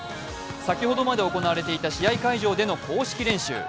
先ほどまで行われていた試合会場での、公式練習。